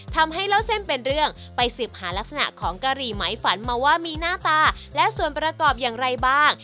เล่าเส้นเป็นเรื่องไปสืบหารักษณะของกะหรี่ไหมฝันมาว่ามีหน้าตาและส่วนประกอบอย่างไรบ้าง